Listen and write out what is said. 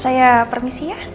saya permisi ya